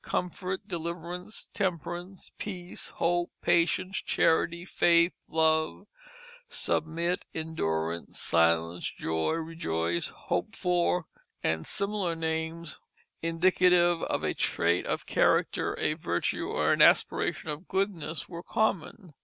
Comfort, Deliverance, Temperance, Peace, Hope, Patience, Charity, Faith, Love, Submit, Endurance, Silence, Joy, Rejoice, Hoped for, and similar names indicative of a trait of character, a virtue, or an aspiration of goodness, were common.